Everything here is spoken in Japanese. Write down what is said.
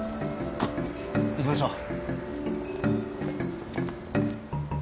行きましょう。